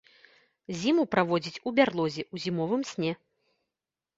Зіму праводзіць у бярлозе ў зімовым сне.